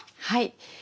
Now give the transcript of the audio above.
はい。